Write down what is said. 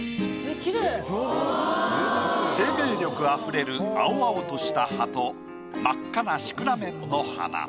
生命力あふれる青々とした葉と真っ赤なシクラメンの花。